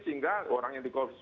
sehingga orang yang di korupsi